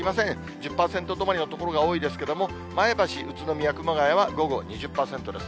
１０％止まりの所が多いですけれども、前橋、宇都宮、熊谷は、午後２０％です。